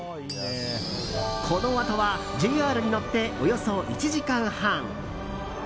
このあとは、ＪＲに乗っておよそ１時間半。